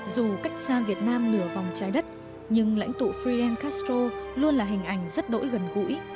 dù cách xa việt nam nửa vòng trái đất nhưng lãnh tụ fiel castro luôn là hình ảnh rất đỗi gần gũi